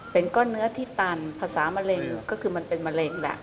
เป็นก้อนเนื้อที่ตันภาษามะเร็งก็คือมันเป็นมะเร็งแหละ